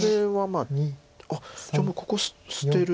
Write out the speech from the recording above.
あっじゃあもうここ捨てる。